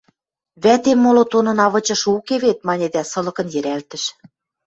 – Вӓтем моло тонына вычышы уке вет... – маньы дӓ сылыкын йӹрӓлтӹш.